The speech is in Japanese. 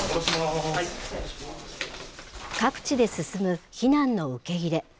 各地で進む避難の受け入れ。